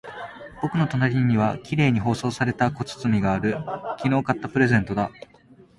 僕の隣には綺麗に包装された小包がある。昨日買ったプレゼントだ。